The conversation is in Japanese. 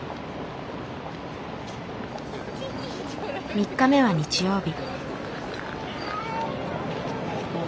３日目は日曜日。